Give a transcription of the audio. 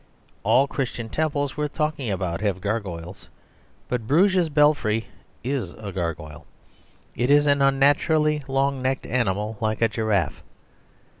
All Christian temples worth talking about have gargoyles; but Bruges Belfry is a gargoyle. It is an unnaturally long necked animal, like a giraffe.